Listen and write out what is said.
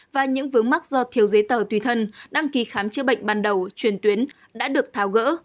và những vướng mắc do thiếu giấy tờ tùy thân đăng ký khám chữa bệnh ban đầu truyền tuyến đã được tháo gỡ